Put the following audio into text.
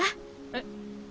えっ？